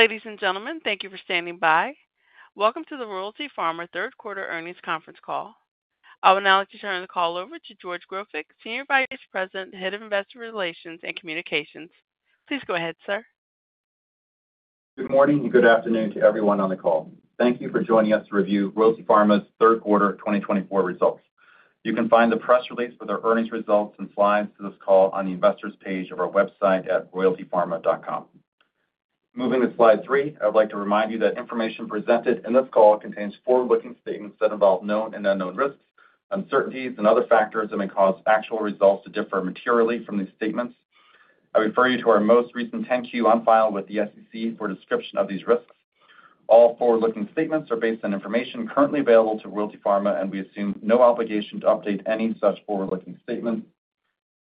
Ladies and gentlemen, thank you for standing by. Welcome to the Royalty Pharma Third Quarter Earnings Conference Call. I will now turn the call over to George Grofik, Senior Vice President, Head of Investor Relations and Communications. Please go ahead, sir. Good morning and good afternoon to everyone on the call. Thank you for joining us to review Royalty Pharma's Third Quarter 2024 Results. You can find the press release with our earnings results and slides to this call on the investors' page of our website at royaltypharma.com. Moving to slide three, I would like to remind you that information presented in this call contains forward-looking statements that involve known and unknown risks, uncertainties, and other factors that may cause actual results to differ materially from these statements. I refer you to our most recent 10-Q on file with the SEC for a description of these risks. All forward-looking statements are based on information currently available to Royalty Pharma, and we assume no obligation to update any such forward-looking statements.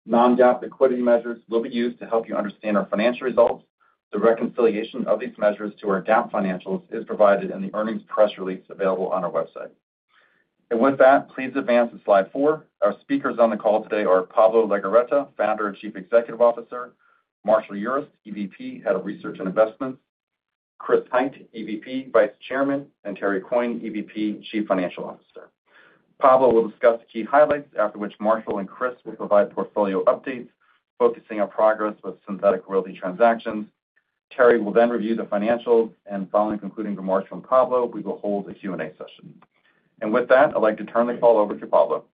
Non-GAAP liquidity measures will be used to help you understand our financial results. The reconciliation of these measures to our GAAP financials is provided in the earnings press release available on our website. And with that, please advance to slide four. Our speakers on the call today are Pablo Legorreta, Founder and Chief Executive Officer, Marshall Urist, EVP, Head of Research and Investments, Chris Hite, EVP, Vice Chairman, and Terry Coyne, EVP, Chief Financial Officer. Pablo will discuss the key highlights, after which Marshall and Chris will provide portfolio updates focusing on progress with synthetic royalty transactions. Terry will then review the financials, and following concluding remarks from Pablo, we will hold a Q&A session. And with that, I'd like to turn the call over to Pablo.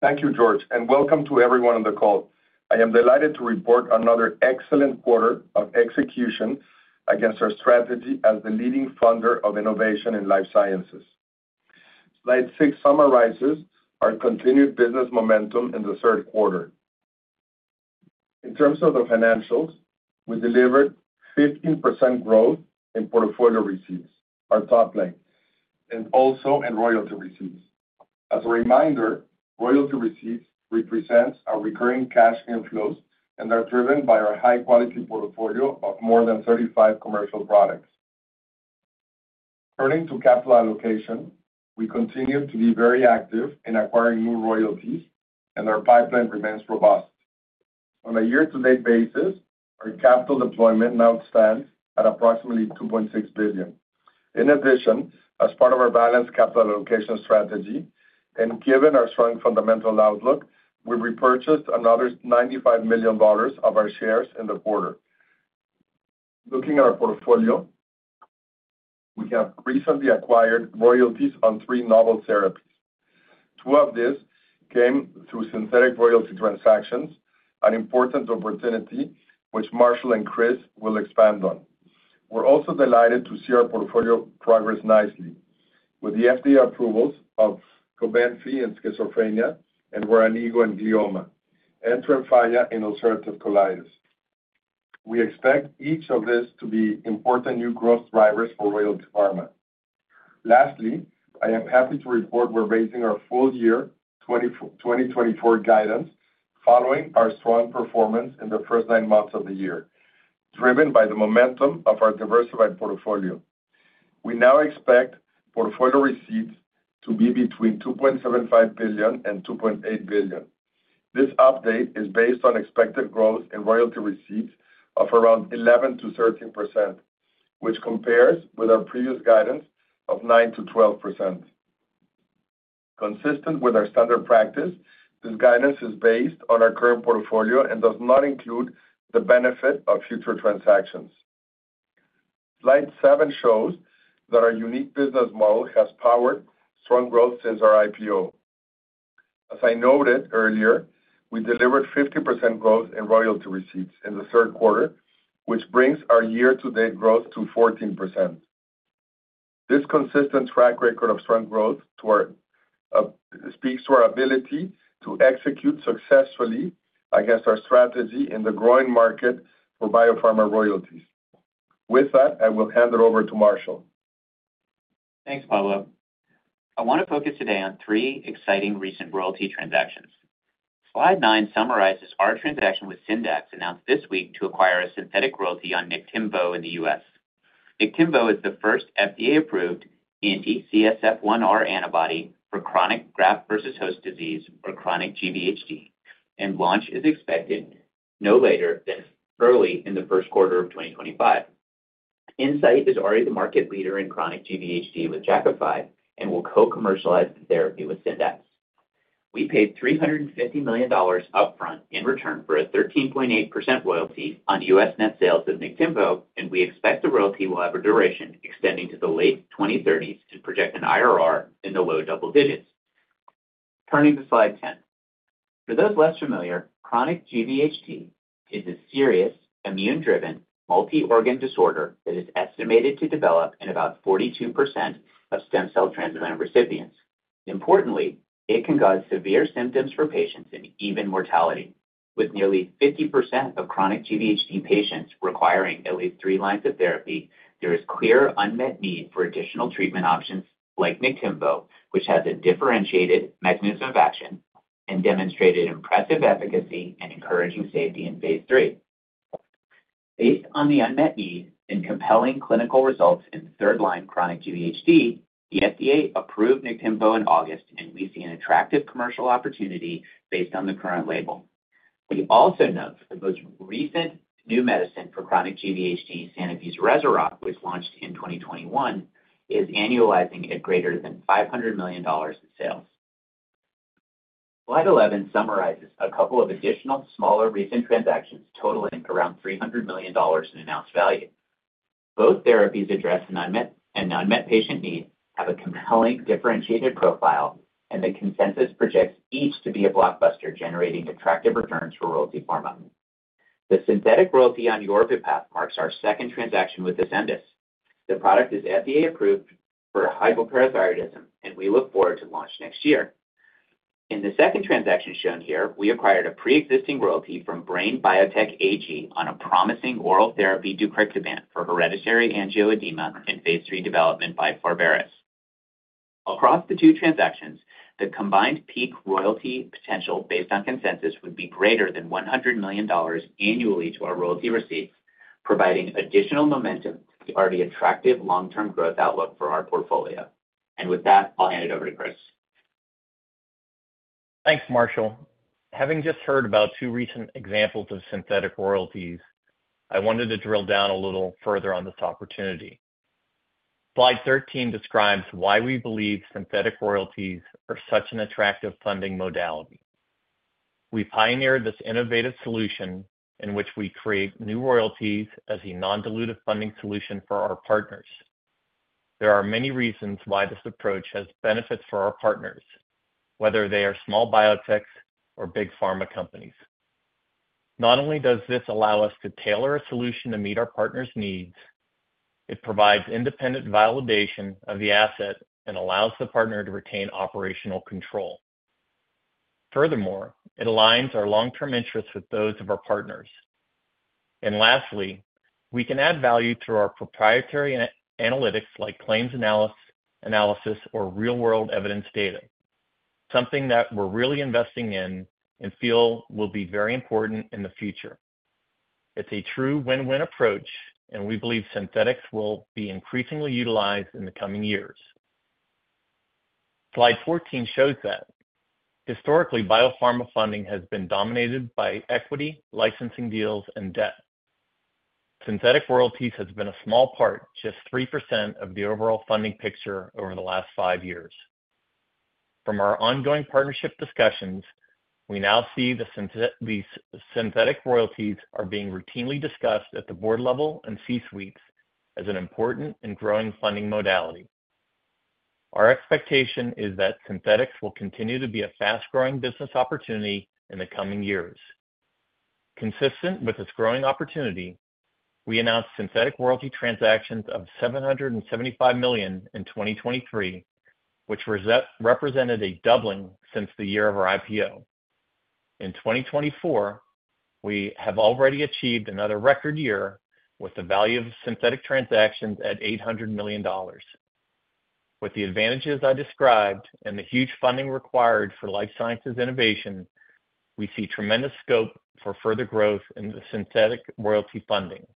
Thank you, George, and welcome to everyone on the call. I am delighted to report another excellent quarter of execution against our strategy as the leading funder of innovation in life sciences. Slide six summarizes our continued business momentum in the third quarter. In terms of the financials, we delivered 15% growth in portfolio receipts, our top line, and also in royalty receipts. As a reminder, royalty receipts represent our recurring cash inflows and are driven by our high-quality portfolio of more than 35 commercial products. Turning to capital allocation, we continue to be very active in acquiring new royalties, and our pipeline remains robust. On a year-to-date basis, our capital deployment now stands at approximately $2.6 billion. In addition, as part of our balanced capital allocation strategy, and given our strong fundamental outlook, we repurchased another $95 million of our shares in the quarter. Looking at our portfolio, we have recently acquired royalties on three novel therapies. Two of these came through synthetic royalty transactions, an important opportunity which Marshall and Chris will expand on. We're also delighted to see our portfolio progress nicely, with the FDA approvals of Cobenfy in Schizophrenia, and Voranigo in Glioma, Tremfya in Ulcerative Colitis. We expect each of these to be important new growth drivers for Royalty Pharma. Lastly, I am happy to report we're raising our full-year 2024 guidance following our strong performance in the first nine months of the year, driven by the momentum of our diversified portfolio. We now expect portfolio receipts to be between $2.75 billion and $2.8 billion. This update is based on expected growth in royalty receipts of around 11%-13%, which compares with our previous guidance of 9%-12%. Consistent with our standard practice, this guidance is based on our current portfolio and does not include the benefit of future transactions. Slide seven shows that our unique business model has powered strong growth since our IPO. As I noted earlier, we delivered 15% growth in royalty receipts in the third quarter, which brings our year-to-date growth to 14%. This consistent track record of strong growth speaks to our ability to execute successfully against our strategy in the growing market for biopharma royalties. With that, I will hand it over to Marshall. Thanks, Pablo. I want to focus today on three exciting recent royalty transactions. Slide 9 summarizes our transaction with Syndax announced this week to acquire a synthetic royalty on Niktimvo in the U.S. Niktimvo is the first FDA-approved anti-CSF-1R antibody for chronic graft-versus-host disease, or chronic GVHD, and launch is expected no later than early in the first quarter of 2025. Incyte is already the market leader in chronic GVHD with Jakafi and will co-commercialize the therapy with Syndax. We paid $350 million upfront in return for a 13.8% royalty on U.S. net sales of Niktimvo, and we expect the royalty will have a duration extending to the late 2030s and project an IRR in the low double digits. Turning to slide 10. For those less familiar, chronic GVHD is a serious immune-driven multi-organ disorder that is estimated to develop in about 42% of stem cell transplant recipients. Importantly, it can cause severe symptoms for patients and even mortality. With nearly 50% of chronic GVHD patients requiring at least three lines of therapy, there is clear unmet need for additional treatment options like Niktimvo, which has a differentiated mechanism of action and demonstrated impressive efficacy and encouraging safety in phase III. Based on the unmet need and compelling clinical results in third-line chronic GVHD, the FDA approved Niktimvo in August, and we see an attractive commercial opportunity based on the current label. We also note that the most recent new medicine for chronic GVHD, Sanofi's Rezurock, which launched in 2021, is annualizing at greater than $500 million in sales. Slide 11 summarizes a couple of additional smaller recent transactions totaling around $300 million in announced value. Both therapies address the unmet and non-met patient need, have a compelling differentiated profile, and the consensus projects each to be a blockbuster generating attractive returns for Royalty Pharma. The synthetic royalty on Yorvipath marks our second transaction with Ascendis. The product is FDA-approved for hypoparathyroidism, and we look forward to launch next year. In the second transaction shown here, we acquired a pre-existing royalty from BRAIN Biotech AG on a promising oral therapy, Deucrictibant, for hereditary angioedema and phase III development by Pharvaris. Across the two transactions, the combined peak royalty potential based on consensus would be greater than $100 million annually to our royalty receipts, providing additional momentum to the already attractive long-term growth outlook for our portfolio. And with that, I'll hand it over to Chris. Thanks, Marshall. Having just heard about two recent examples of synthetic royalties, I wanted to drill down a little further on this opportunity. Slide 13 describes why we believe synthetic royalties are such an attractive funding modality. We pioneered this innovative solution in which we create new royalties as a non-dilutive funding solution for our partners. There are many reasons why this approach has benefits for our partners, whether they are small biotechs or big pharma companies. Not only does this allow us to tailor a solution to meet our partners' needs, it provides independent validation of the asset and allows the partner to retain operational control. Furthermore, it aligns our long-term interests with those of our partners. And lastly, we can add value through our proprietary analytics like claims analysis or real-world evidence data, something that we're really investing in and feel will be very important in the future. It's a true win-win approach, and we believe synthetics will be increasingly utilized in the coming years. Slide 14 shows that. Historically, biopharma funding has been dominated by equity, licensing deals, and debt. Synthetic royalties have been a small part, just 3% of the overall funding picture over the last five years. From our ongoing partnership discussions, we now see the synthetic royalties being routinely discussed at the board level and C-suites as an important and growing funding modality. Our expectation is that synthetics will continue to be a fast-growing business opportunity in the coming years. Consistent with this growing opportunity, we announced synthetic royalty transactions of $775 million in 2023, which represented a doubling since the year of our IPO. In 2024, we have already achieved another record year with the value of synthetic transactions at $800 million. With the advantages I described and the huge funding required for life sciences innovation, we see tremendous scope for further growth in the synthetic royalty funding.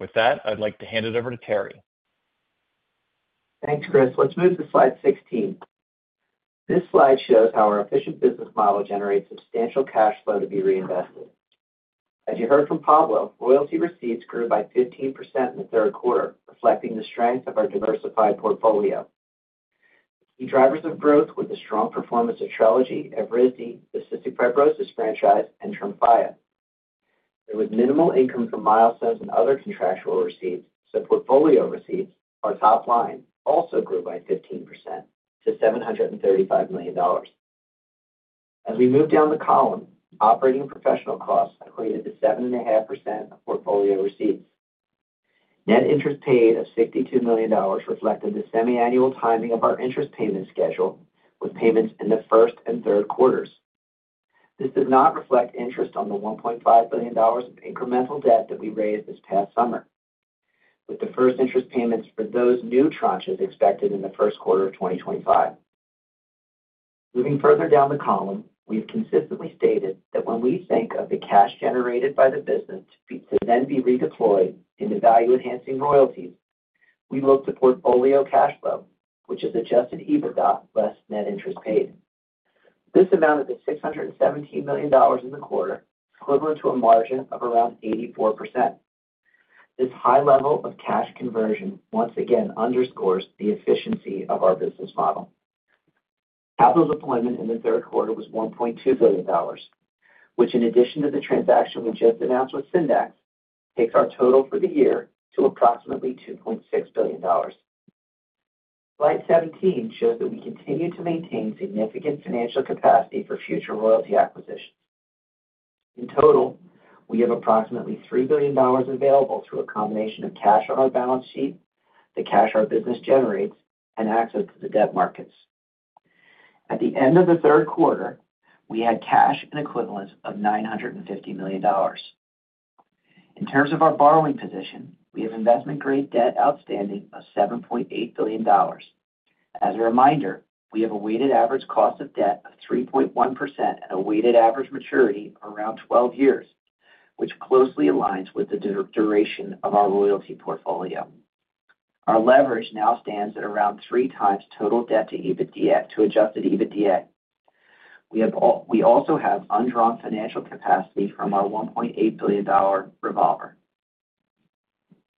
With that, I'd like to hand it over to Terry. Thanks, Chris. Let's move to slide 16. This slide shows how our efficient business model generates substantial cash flow to be reinvested. As you heard from Pablo, royalty receipts grew by 15% in the third quarter, reflecting the strength of our diversified portfolio. The key drivers of growth were the strong performance of Trelegy, Evrysdi, the Cystic Fibrosis franchise, and Tremfya. There was minimal income from milestones and other contractual receipts, so portfolio receipts, our top line, also grew by 15% to $735 million. As we move down the column, operating professional costs equated to 7.5% of portfolio receipts. Net interest paid of $62 million reflected the semiannual timing of our interest payment schedule, with payments in the first and third quarters. This does not reflect interest on the $1.5 billion of incremental debt that we raised this past summer, with the first interest payments for those new tranches expected in the first quarter of 2025. Moving further down the column, we've consistently stated that when we think of the cash generated by the business to then be redeployed into value-enhancing royalties, we look to portfolio cash flow, which is Adjusted EBITDA less net interest paid. This amounted to $617 million in the quarter, equivalent to a margin of around 84%. This high level of cash conversion once again underscores the efficiency of our business model. Capital deployment in the third quarter was $1.2 billion, which, in addition to the transaction we just announced with Syndax, takes our total for the year to approximately $2.6 billion. Slide 17 shows that we continue to maintain significant financial capacity for future royalty acquisitions. In total, we have approximately $3 billion available through a combination of cash on our balance sheet, the cash our business generates, and access to the debt markets. At the end of the third quarter, we had cash equivalents of $950 million. In terms of our borrowing position, we have investment-grade debt outstanding of $7.8 billion. As a reminder, we have a weighted average cost of debt of 3.1% and a weighted average maturity of around 12 years, which closely aligns with the duration of our royalty portfolio. Our leverage now stands at around three times total debt to EBITDA to adjusted EBITDA. We also have undrawn financial capacity from our $1.8 billion revolver.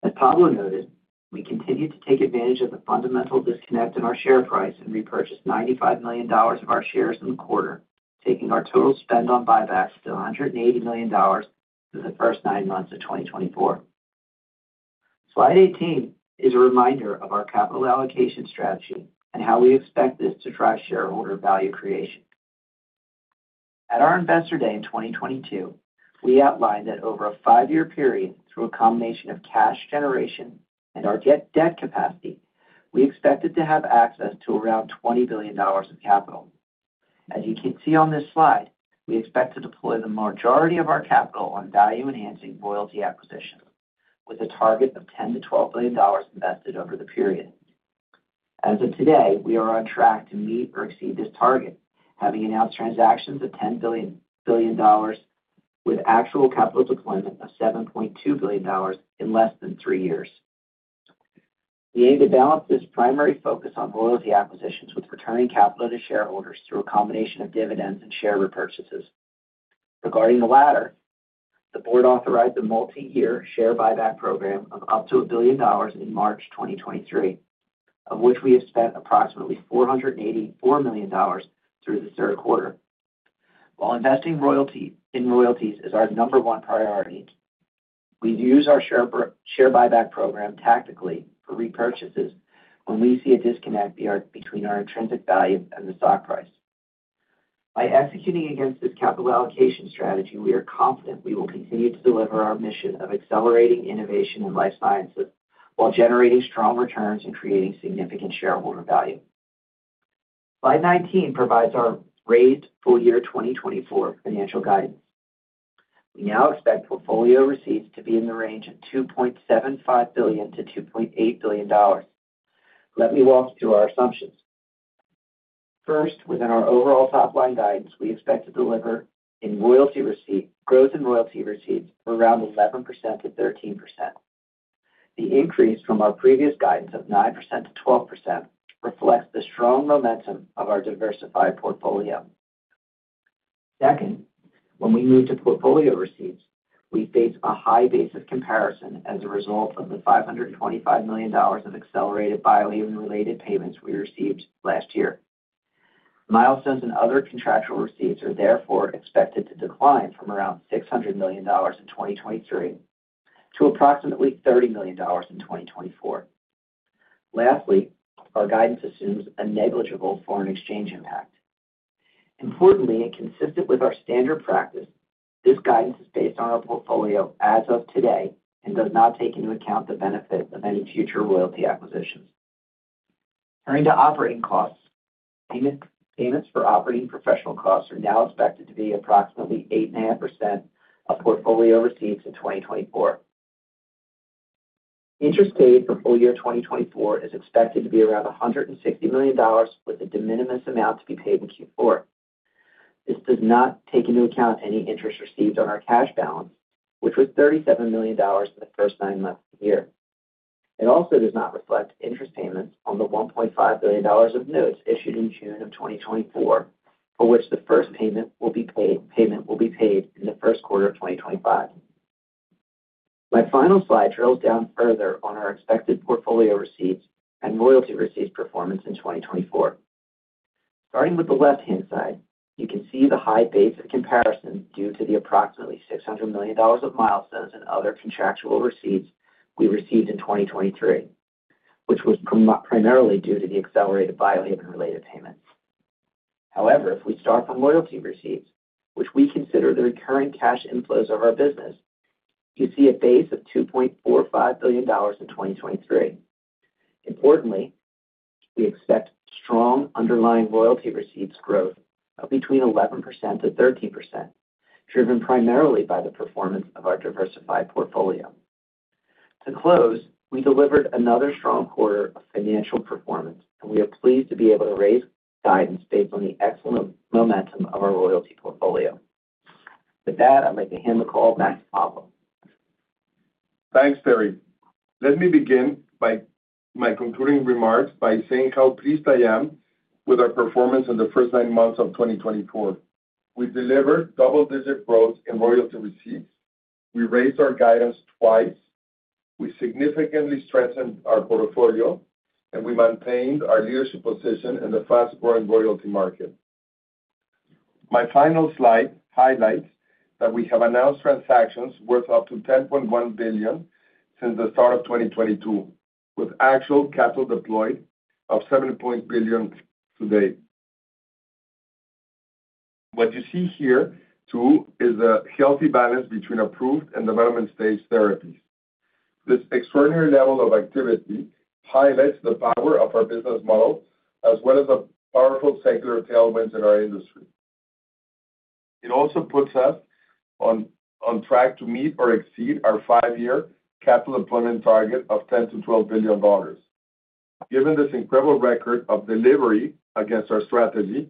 As Pablo noted, we continue to take advantage of the fundamental disconnect in our share price and repurchased $95 million of our shares in the quarter, taking our total spend on buybacks to $180 million for the first nine months of 2024. Slide 18 is a reminder of our capital allocation strategy and how we expect this to drive shareholder value creation. At our investor day in 2022, we outlined that over a five-year period, through a combination of cash generation and our debt capacity, we expected to have access to around $20 billion of capital. As you can see on this slide, we expect to deploy the majority of our capital on value-enhancing royalty acquisitions, with a target of $10-$12 billion invested over the period. As of today, we are on track to meet or exceed this target, having announced transactions of $10 billion, with actual capital deployment of $7.2 billion in less than three years. We aim to balance this primary focus on royalty acquisitions with returning capital to shareholders through a combination of dividends and share repurchases. Regarding the latter, the board authorized a multi-year share buyback program of up to $1 billion in March 2023, of which we have spent approximately $484 million through the third quarter. While investing in royalties is our number one priority, we use our share buyback program tactically for repurchases when we see a disconnect between our intrinsic value and the stock price. By executing against this capital allocation strategy, we are confident we will continue to deliver our mission of accelerating innovation in life sciences while generating strong returns and creating significant shareholder value. Slide 19 provides our raised full year 2024 financial guidance. We now expect portfolio receipts to be in the range of $2.75 billion-$2.8 billion. Let me walk through our assumptions. First, within our overall top line guidance, we expect to deliver in growth in royalty receipts for around 11%-13%. The increase from our previous guidance of 9%-12% reflects the strong momentum of our diversified portfolio. Second, when we move to portfolio receipts, we face a high base of comparison as a result of the $525 million of accelerated Biohaven-related payments we received last year. Milestones and other contractual receipts are therefore expected to decline from around $600 million in 2023 to approximately $30 million in 2024. Lastly, our guidance assumes a negligible foreign exchange impact. Importantly, and consistent with our standard practice, this guidance is based on our portfolio as of today and does not take into account the benefit of any future royalty acquisitions. Turning to operating costs, payments for operating professional costs are now expected to be approximately 8.5% of portfolio receipts in 2024. Interest paid for full year 2024 is expected to be around $160 million, with a de minimis amount to be paid in Q4. This does not take into account any interest received on our cash balance, which was $37 million in the first nine months of the year. It also does not reflect interest payments on the $1.5 billion of notes issued in June of 2024, for which the first payment will be paid in the first quarter of 2025. My final slide drills down further on our expected portfolio receipts and royalty receipts performance in 2024. Starting with the left-hand side, you can see the high base of comparison due to the approximately $600 million of milestones and other contractual receipts we received in 2023, which was primarily due to the accelerated Biohaven-related payments. However, if we start from royalty receipts, which we consider the recurring cash inflows of our business, you see a base of $2.45 billion in 2023. Importantly, we expect strong underlying royalty receipts growth of between 11%-13%, driven primarily by the performance of our diversified portfolio. To close, we delivered another strong quarter of financial performance, and we are pleased to be able to raise guidance based on the excellent momentum of our royalty portfolio. With that, I'd like to hand the call back to Pablo. Thanks, Terry. Let me begin my concluding remarks by saying how pleased I am with our performance in the first nine months of 2024. We delivered double-digit growth in royalty receipts. We raised our guidance twice. We significantly strengthened our portfolio, and we maintained our leadership position in the fast-growing royalty market. My final slide highlights that we have announced transactions worth up to $10.1 billion since the start of 2022, with actual capital deployed of $7.2 billion today. What you see here, too, is the healthy balance between approved and development-stage therapies. This extraordinary level of activity highlights the power of our business model, as well as the powerful secular tailwinds in our industry. It also puts us on track to meet or exceed our five-year capital deployment target of $10-$12 billion. Given this incredible record of delivery against our strategy,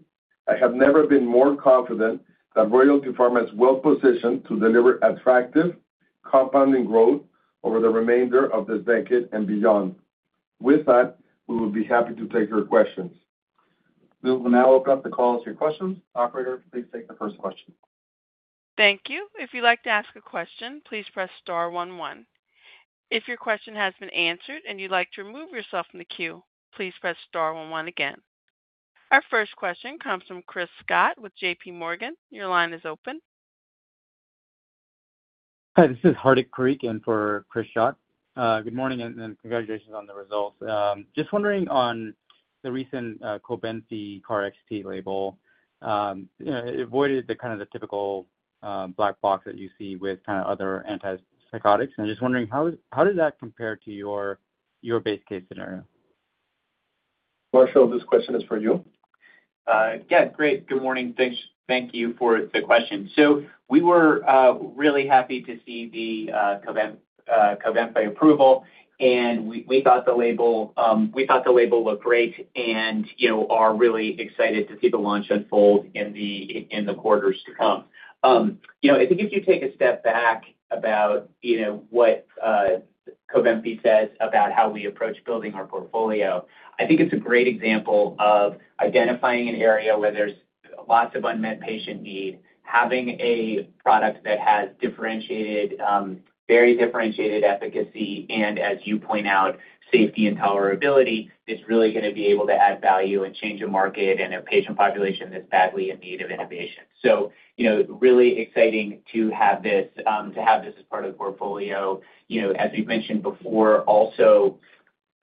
I have never been more confident that Royalty Pharma is well-positioned to deliver attractive compounding growth over the remainder of this decade and beyond. With that, we would be happy to take your questions. We will now open up the call to your questions. Operator, please take the first question. Thank you. If you'd like to ask a question, please press star 11. If your question has been answered and you'd like to remove yourself from the queue, please press star 11 again. Our first question comes from Chris Schott with J.P. Morgan. Your line is open. Hi, this is Hardik Parikh in for Chris Schott. Good morning and congratulations on the results. Just wondering on the recent Cobenfy KarXT label, it avoided the kind of typical black box that you see with kind of other antipsychotics, and just wondering, how did that compare to your base case scenario? Marshall, this question is for you. Yeah, great. Good morning. Thank you for the question. So we were really happy to see the Cobenfy approval, and we thought the label looked great and are really excited to see the launch unfold in the quarters to come. I think if you take a step back about what Cobenfy says about how we approach building our portfolio, I think it's a great example of identifying an area where there's lots of unmet patient need, having a product that has very differentiated efficacy, and as you point out, safety and tolerability, it's really going to be able to add value and change a market and a patient population that's badly in need of innovation. So really exciting to have this as part of the portfolio. As we've mentioned before, also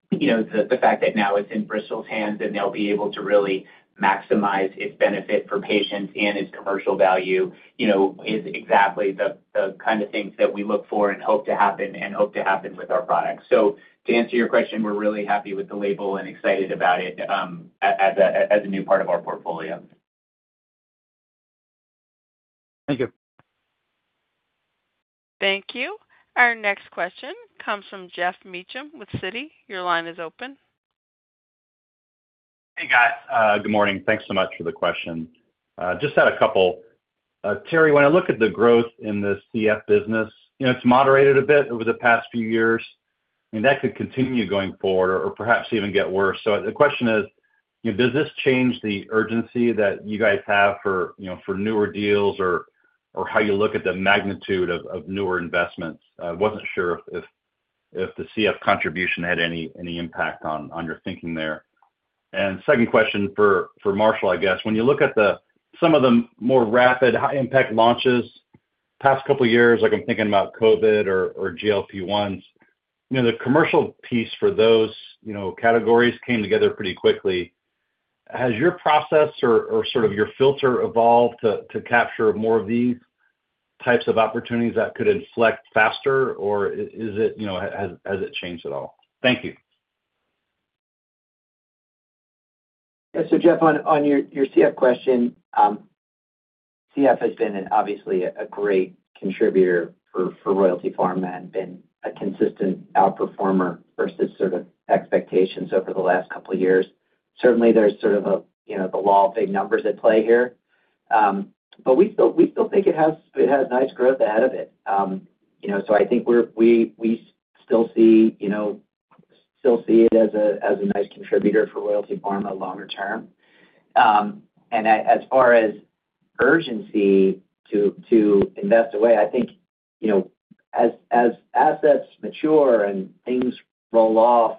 the fact that now it's in Bristol's hands and they'll be able to really maximize its benefit for patients and its commercial value is exactly the kind of things that we look for and hope to happen with our product. So to answer your question, we're really happy with the label and excited about it as a new part of our portfolio. Thank you. Thank you. Our next question comes from Jeff Meacham with Citi. Your line is open. Hey, guys. Good morning. Thanks so much for the question. Just had a couple. Terry, when I look at the growth in the CF business, it's moderated a bit over the past few years. I mean, that could continue going forward or perhaps even get worse. So the question is, does this change the urgency that you guys have for newer deals or how you look at the magnitude of newer investments? I wasn't sure if the CF contribution had any impact on your thinking there. And second question for Marshall, I guess. When you look at some of the more rapid high-impact launches past couple of years, like I'm thinking about COVID or GLP-1s, the commercial piece for those categories came together pretty quickly. Has your process or sort of your filter evolved to capture more of these types of opportunities that could inflect faster, or has it changed at all? Thank you. So Jeff, on your CF question, CF has been obviously a great contributor for Royalty Pharma and been a consistent outperformer versus sort of expectations over the last couple of years. Certainly, there's sort of the law of big numbers at play here. But we still think it has nice growth ahead of it. So I think we still see it as a nice contributor for Royalty Pharma in the longer term. And as far as urgency to invest away, I think as assets mature and things roll off,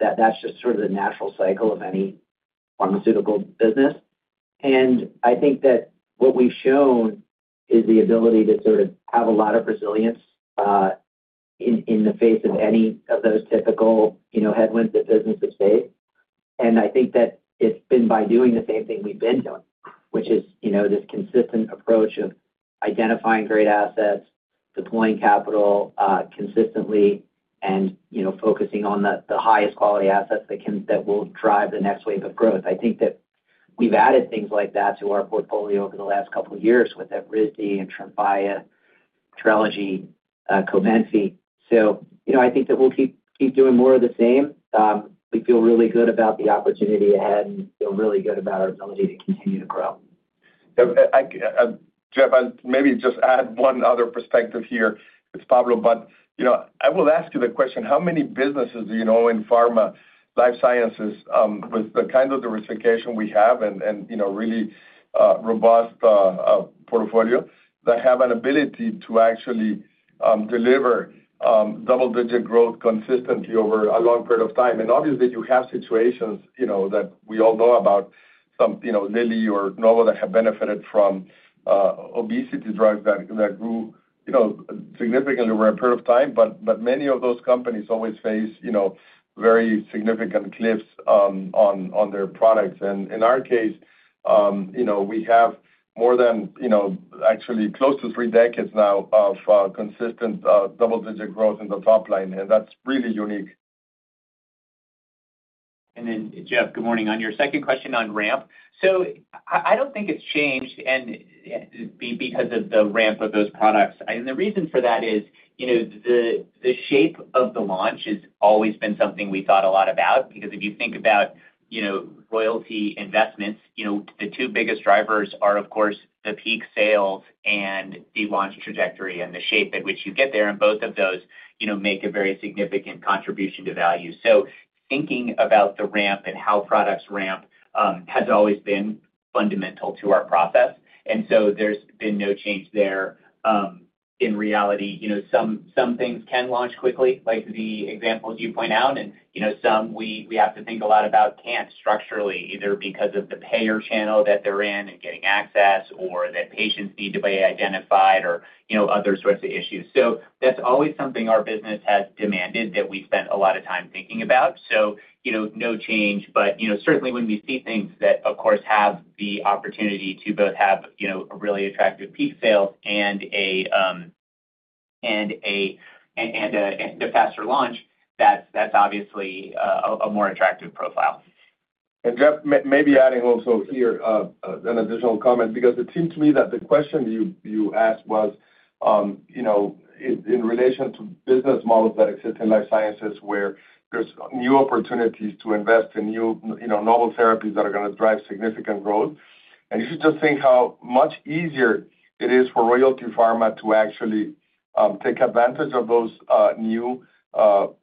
that's just sort of the natural cycle of any pharmaceutical business. And I think that what we've shown is the ability to sort of have a lot of resilience in the face of any of those typical headwinds that businesses face. I think that it's been by doing the same thing we've been doing, which is this consistent approach of identifying great assets, deploying capital consistently, and focusing on the highest quality assets that will drive the next wave of growth. I think that we've added things like that to our portfolio over the last couple of years with Evrysdi and Tremfya, Trelegy, Cobenfy. So I think that we'll keep doing more of the same. We feel really good about the opportunity ahead and feel really good about our ability to continue to grow. Jeff, I'll maybe just add one other perspective here. It's Pablo, but I will ask you the question. How many businesses do you know in pharma, life sciences, with the kind of diversification we have and really robust portfolio that have an ability to actually deliver double-digit growth consistently over a long period of time? And obviously, you have situations that we all know about, like Lilly or Novo that have benefited from obesity drugs that grew significantly over a period of time, but many of those companies always face very significant cliffs on their products. And in our case, we have more than actually close to three decades now of consistent double-digit growth in the top line, and that's really unique. And then, Jeff, good morning. On your second question on ramp, so I don't think it's changed because of the ramp of those products. And the reason for that is the shape of the launch has always been something we thought a lot about because if you think about royalty investments, the two biggest drivers are, of course, the peak sales and the launch trajectory and the shape at which you get there. And both of those make a very significant contribution to value. So thinking about the ramp and how products ramp has always been fundamental to our process. And so there's been no change there. In reality, some things can launch quickly, like the examples you point out, and some we have to think a lot about can't structurally, either because of the payer channel that they're in and getting access, or that patients need to be identified, or other sorts of issues. So that's always something our business has demanded that we spent a lot of time thinking about. So no change, but certainly when we see things that, of course, have the opportunity to both have a really attractive peak sales and a faster launch, that's obviously a more attractive profile. And Jeff, maybe adding also here an additional comment because it seems to me that the question you asked was in relation to business models that exist in life sciences where there's new opportunities to invest in new novel therapies that are going to drive significant growth. And you should just think how much easier it is for Royalty Pharma to actually take advantage of those new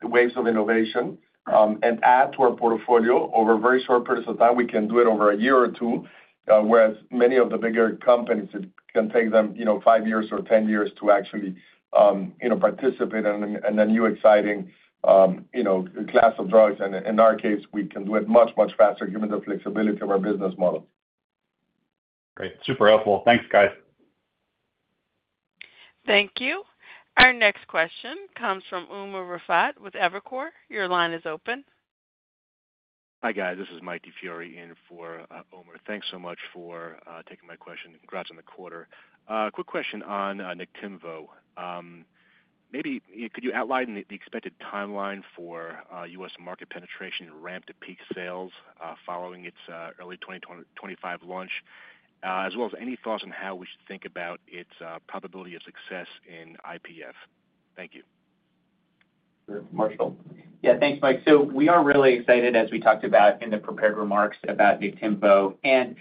waves of innovation and add to our portfolio over a very short period of time. We can do it over a year or two, whereas many of the bigger companies, it can take them five years or ten years to actually participate in a new exciting class of drugs. And in our case, we can do it much, much faster given the flexibility of our business model. Great. Super helpful. Thanks, guys. Thank you. Our next question comes from Umer Raffat with Evercore. Your line is open. Hi guys. This is Mike DiFiore in for Umer. Thanks so much for taking my question. Congrats on the quarter. Quick question on Niktimvo. Maybe could you outline the expected timeline for U.S. market penetration and ramp to peak sales following its early 2025 launch, as well as any thoughts on how we should think about its probability of success in IPF? Thank you. Yeah, thanks, Mike. So we are really excited, as we talked about in the prepared remarks about Niktimvo. And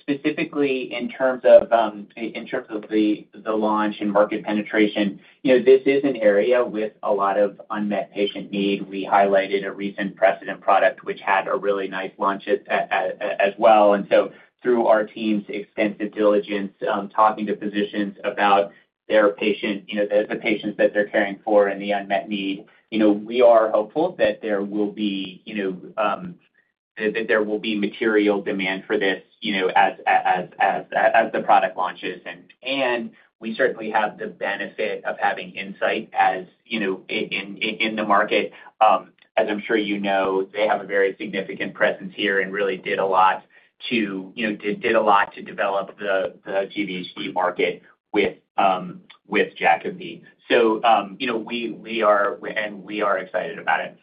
specifically in terms of the launch and market penetration, this is an area with a lot of unmet patient need. We highlighted a recent precedent product which had a really nice launch as well. And so through our team's extensive diligence, talking to physicians about their patients, the patients that they're caring for and the unmet need, we are hopeful that there will be material demand for this as the product launches. And we certainly have the benefit of having insight in the market. As I'm sure you know, they have a very significant presence here and really did a lot to develop the GVHD market with Jakafi. So we are excited about it.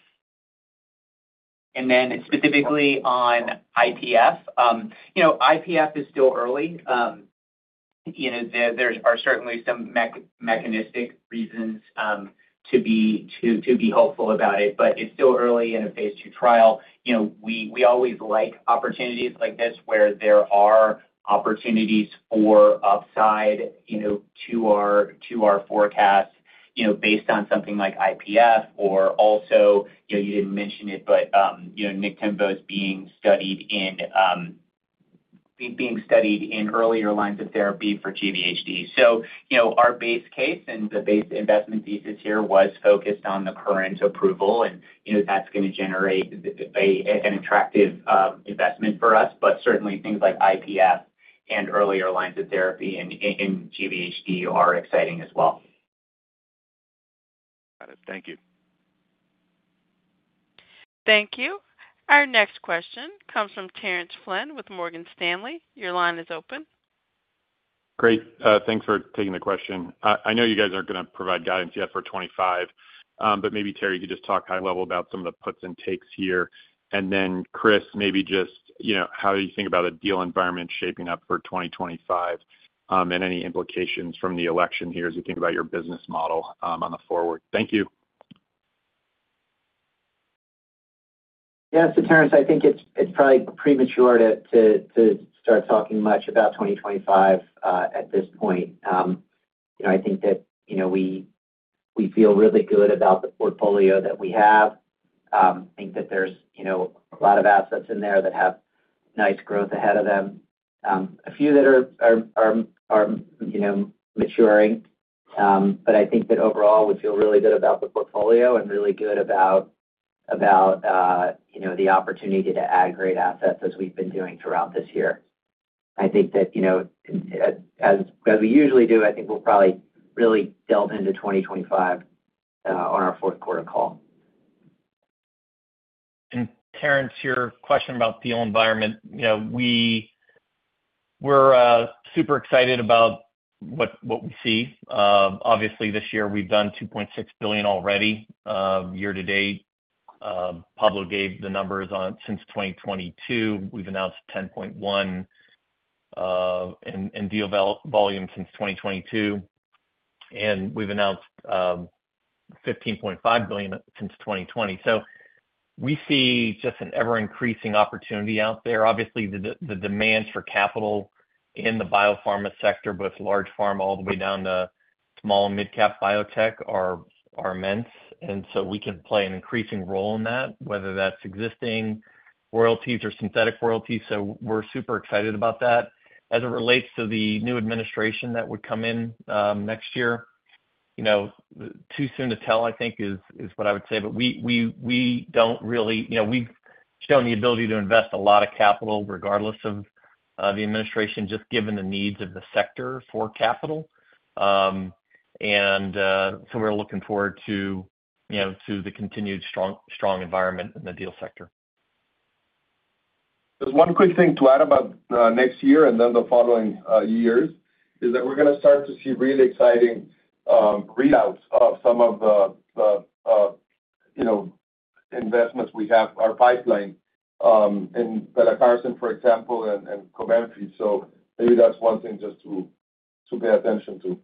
And then specifically on IPF, IPF is still early. There are certainly some mechanistic reasons to be hopeful about it, but it's still early in a phase II trial. We always like opportunities like this where there are opportunities for upside to our forecast based on something like IPF or also, you didn't mention it, but Niktimvo's being studied in earlier lines of therapy for GVHD. So our base case and the base investment thesis here was focused on the current approval, and that's going to generate an attractive investment for us. But certainly, things like IPF and earlier lines of therapy in GVHD are exciting as well. Got it. Thank you. Thank you. Our next question comes from Terence Flynn with Morgan Stanley. Your line is open. Great. Thanks for taking the question. I know you guys aren't going to provide guidance yet for 2025, but maybe Terry, you could just talk high level about some of the puts and takes here, and then Chris, maybe just how do you think about a deal environment shaping up for 2025 and any implications from the election here as you think about your business model on the forward? Thank you. Yeah. So Terence, I think it's probably premature to start talking much about 2025 at this point. I think that we feel really good about the portfolio that we have. I think that there's a lot of assets in there that have nice growth ahead of them, a few that are maturing. But I think that overall, we feel really good about the portfolio and really good about the opportunity to add great assets as we've been doing throughout this year. I think that as we usually do, I think we'll probably really delve into 2025 on our fourth quarter call. Terence, your question about the deal environment, we're super excited about what we see. Obviously, this year, we've done $2.6 billion already year to date, Pablo gave the numbers on since 2022, we've announced $10.1 billion in deal volume since 2022, and we've announced $15.5 billion since 2020, so we see just an ever-increasing opportunity out there. Obviously, the demand for capital in the biopharma sector, both large pharma all the way down to small and mid-cap biotech, is immense, and so we can play an increasing role in that, whether that's existing royalties or synthetic royalties, so we're super excited about that. As it relates to the new administration that would come in next year, too soon to tell, I think, is what I would say. But we don't really. We've shown the ability to invest a lot of capital regardless of the administration, just given the needs of the sector for capital, and so we're looking forward to the continued strong environment in the deal sector. Just one quick thing to add about next year and then the following years is that we're going to start to see really exciting readouts of some of the investments we have in our pipeline in Pelacarsen, for example, and Cobenfy. So maybe that's one thing just to pay attention to.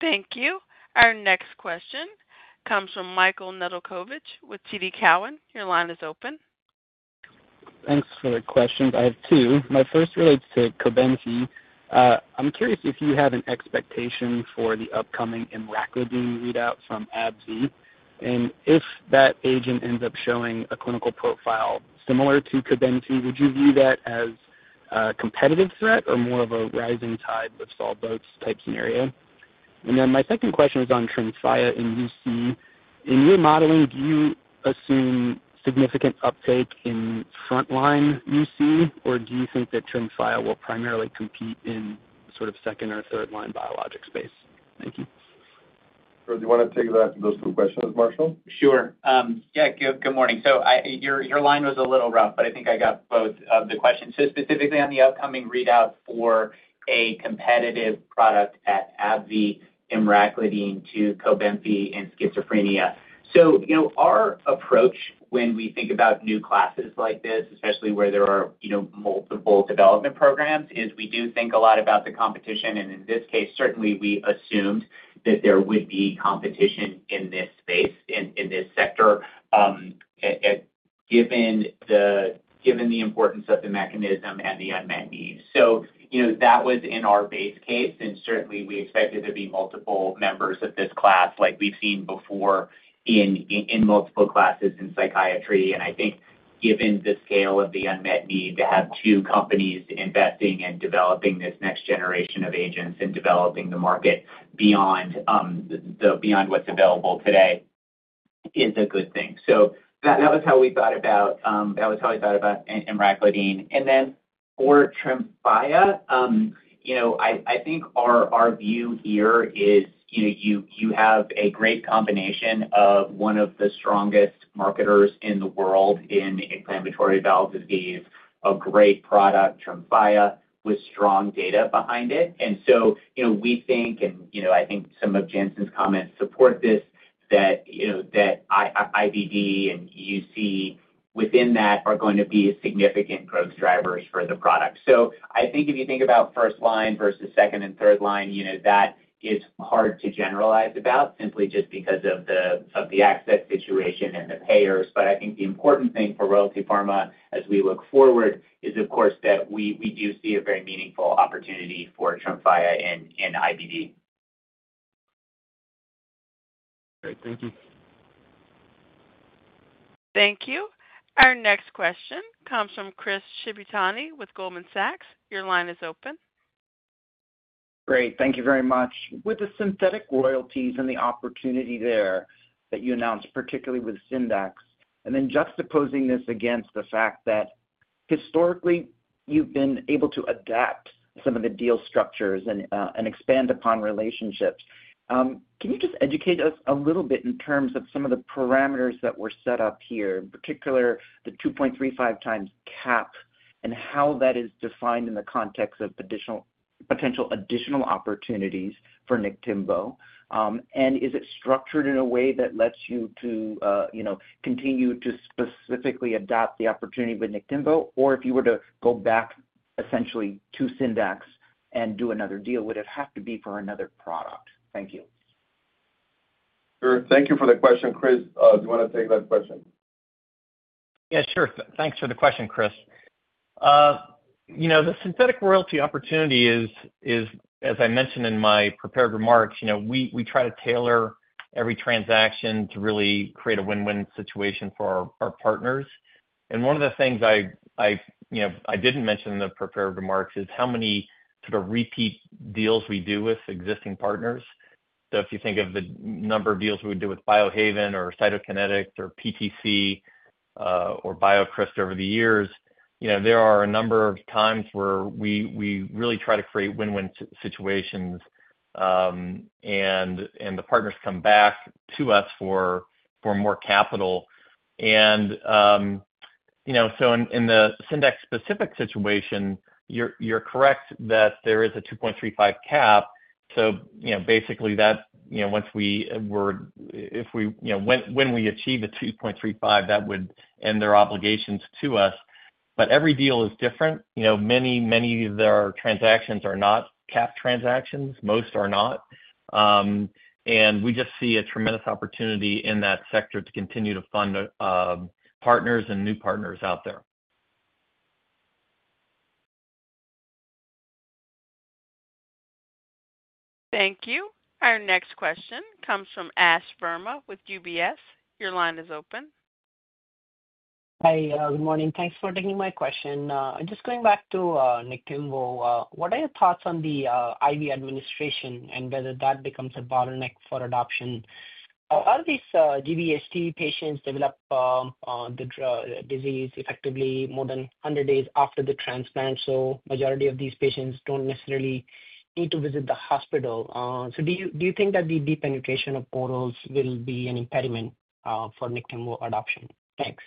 Thank you. Our next question comes from Michael Nedelcovych with TD Cowen. Your line is open. Thanks for the questions. I have two. My first relates to Cobenfy. I'm curious if you have an expectation for the upcoming Emraclidine readout from AbbVie. And if that agent ends up showing a clinical profile similar to Cobenfy, would you view that as a competitive threat or more of a rising tide with all boats type scenario? And then my second question is on Tremfya in UC. In your modeling, do you assume significant uptake in front line UC, or do you think that Tremfya will primarily compete in sort of second or third line biologic space? Thank you. Do you want to take those two questions, Marshall? Sure. Yeah. Good morning. So your line was a little rough, but I think I got both of the questions. So specifically on the upcoming readout for a competitive product at AbbVie, Emraclidine to Cobenfy in schizophrenia. So our approach when we think about new classes like this, especially where there are multiple development programs, is we do think a lot about the competition. And in this case, certainly, we assumed that there would be competition in this space, in this sector, given the importance of the mechanism and the unmet need. So that was in our base case. And certainly, we expected there to be multiple members of this class like we've seen before in multiple classes in psychiatry. I think given the scale of the unmet need to have two companies investing and developing this next generation of agents and developing the market beyond what's available today is a good thing. So that was how we thought about Emraclidine. For Tremfya, I think our view here is you have a great combination of one of the strongest marketers in the world in inflammatory bowel disease, a great product, Tremfya with strong data behind it. So we think, and I think some of Janssen's comments support this, that IBD and UC within that are going to be significant growth drivers for the product. So I think if you think about first line versus second and third line, that is hard to generalize about simply just because of the access situation and the payers. But I think the important thing for Royalty Pharma as we look forward is, of course, that we do see a very meaningful opportunity for Tremfya in IBD. Great. Thank you. Thank you. Our next question comes from Chris Shibitani with Goldman Sachs. Your line is open. Great. Thank you very much. With the synthetic royalties and the opportunity there that you announced, particularly with Syndax, and then juxtaposing this against the fact that historically you've been able to adapt some of the deal structures and expand upon relationships, can you just educate us a little bit in terms of some of the parameters that were set up here, in particular the 2.35 times cap and how that is defined in the context of potential additional opportunities for Niktimvo? And is it structured in a way that lets you to continue to specifically adapt the opportunity with Niktimvo, or if you were to go back essentially to Syndax and do another deal, would it have to be for another product? Thank you. Sure. Thank you for the question. Chris, do you want to take that question? Yeah, sure. Thanks for the question, Chris. The synthetic royalty opportunity is, as I mentioned in my prepared remarks, we try to tailor every transaction to really create a win-win situation for our partners. And one of the things I didn't mention in the prepared remarks is how many sort of repeat deals we do with existing partners. So if you think of the number of deals we would do with Biohaven or Cytokinetics or PTC or BioCryst over the years, there are a number of times where we really try to create win-win situations, and the partners come back to us for more capital. And so in the Syndax-specific situation, you're correct that there is a 2.35 cap. So basically, that once we, if we, when we achieve the 2.35, that would end their obligations to us. But every deal is different. Many, many of their transactions are not cap transactions. Most are not, and we just see a tremendous opportunity in that sector to continue to fund partners and new partners out there. Thank you. Our next question comes from Ash Verma with UBS. Your line is open. Hi. Good morning. Thanks for taking my question. Just going back to Niktimvo, what are your thoughts on the IV administration and whether that becomes a bottleneck for adoption? How do these GVHD patients develop the disease effectively more than 100 days after the transplant? So the majority of these patients don't necessarily need to visit the hospital. So do you think that the deep penetration of orals will be an impediment for Niktimvo adoption? Thanks.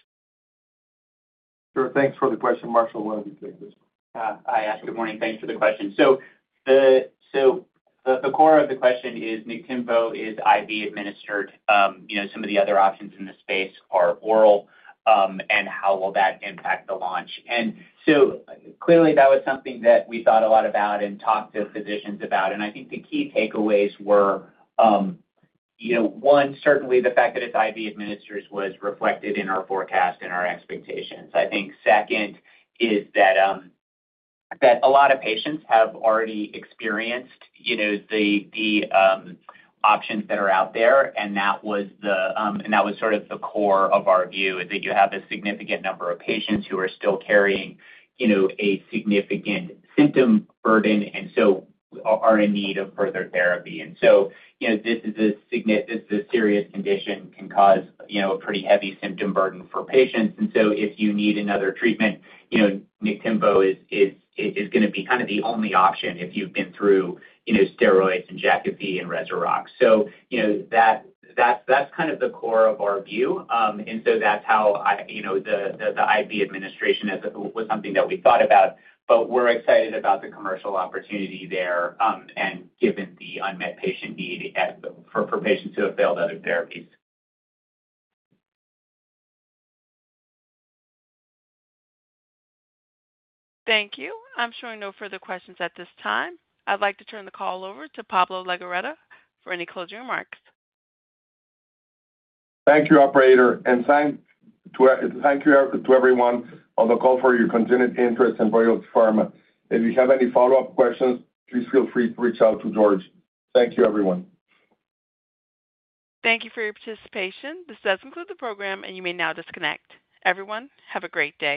Sure. Thanks for the question. Marshall, why don't you take this one? Hi, Ash. Good morning. Thanks for the question. So the core of the question is Niktimvo is IV administered. Some of the other options in the space are oral, and how will that impact the launch? And so clearly, that was something that we thought a lot about and talked to physicians about. And I think the key takeaways were, one, certainly the fact that it's IV administered was reflected in our forecast and our expectations. I think second is that a lot of patients have already experienced the options that are out there. And that was sort of the core of our view, is that you have a significant number of patients who are still carrying a significant symptom burden and so are in need of further therapy. And so this is a serious condition, can cause a pretty heavy symptom burden for patients. And so if you need another treatment, Niktimvo is going to be kind of the only option if you've been through steroids and Jakafi and Rezurock. So that's kind of the core of our view. And so that's how the IV administration was something that we thought about. But we're excited about the commercial opportunity there and given the unmet patient need for patients who have failed other therapies. Thank you. I'm showing no further questions at this time. I'd like to turn the call over to Pablo Legorreta for any closing remarks. Thank you, operator, and thank you to everyone on the call for your continued interest in Royalty Pharma. If you have any follow-up questions, please feel free to reach out to George. Thank you, everyone. Thank you for your participation. This does conclude the program, and you may now disconnect. Everyone, have a great day.